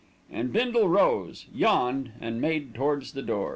And Bindle rose, yawned and made towards the door.